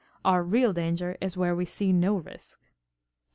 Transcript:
Our real danger is where we see no risk.'